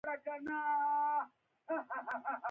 • ته لکه د موسمونو بدلون، خو هر وخت خوږ یې.